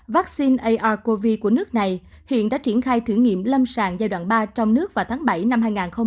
vaccine arecov của nước này hiện đã triển khai thử nghiệm lâm sàng giai đoạn ba trong nước vào tháng bảy năm hai nghìn hai mươi